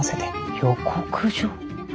予告状？